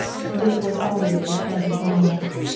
This was always his parting formula.